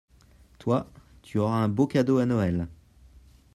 Toi, tu auras un beau cadeau à Noël.